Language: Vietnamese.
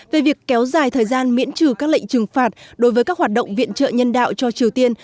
về việc kéo dài thời gian miễn trừ các lệnh trừng phạt đối với các hoạt động viện trợ nhân đạo cho triều tiên